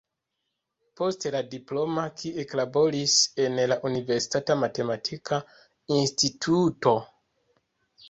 Post la diplomo ki eklaboris en la universitata matematika instituto.